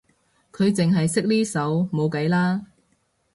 佢淨係識呢首冇計啦